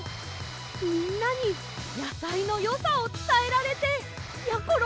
みんなにやさいのよさをつたえられてやころ